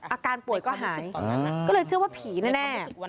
อาการป่วยก็หายก็เลยเชื่อว่าผีแน่